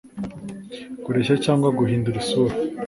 kureshya cyangwa guhindura isura